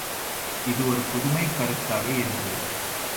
இது ஒரு புதுமைக் கருத்தாக இருந்தது.